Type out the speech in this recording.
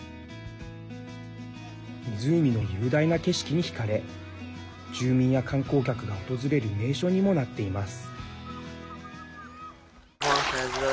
湖の雄大な景色にひかれ住民や観光客が訪れる名所にもなっています。